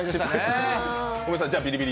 じゃあビリビリ。